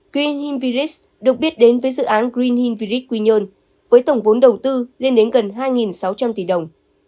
green hill village được biết đến với dự án green hill village quy nhơn với tổng vốn đầu tư lên đến gần hai sáu trăm linh tỷ đồng